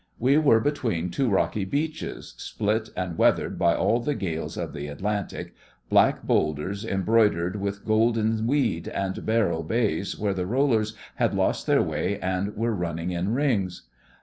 We were between two rocky beaches, split and weathered by all the gales of the Atlantic, black boulders embroidered with golden weed, and beryl bays where the rollers had lost their way and were running in rings.